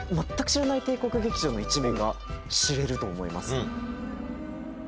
全く知らない帝国劇場の一面が知れると思います。